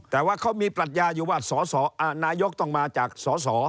แต่ว่าเขามีปรัชญาอยู่ว่านายกต้องมาจากสส